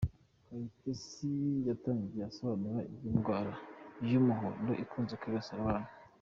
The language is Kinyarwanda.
Kayitesi yatangiye asobanura iby’indwara y’umuhondo ikunze kwibasira abana.